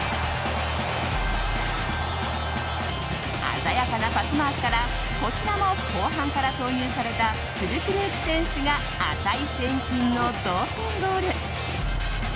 鮮やかなパス回しからこちらも後半から投入されたフュルクルーク選手が値千金の同点ゴール。